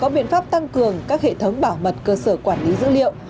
cần có biện pháp tăng cường các hệ thống bảo mật cơ sở quản lý dữ liệu